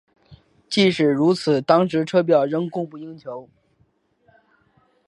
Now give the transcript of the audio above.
即使如此当时车票仍供不应求。